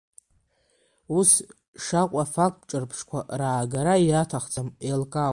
Ус шакәу афакттә ҿырԥштәқәа раагара аҭахӡам, еилкаауп.